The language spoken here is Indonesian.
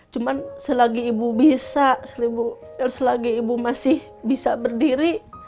cuma selagi ibu bisa selagi ibu masih bisa berdiri